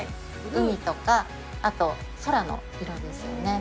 海とか、あと空の色ですよね。